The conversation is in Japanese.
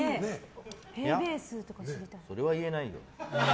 それは言えないよ。